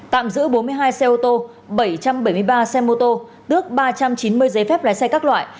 tạm giữ bốn mươi hai xe ô tô bảy trăm bảy mươi ba xe mô tô tước ba trăm chín mươi giấy phép lái xe các loại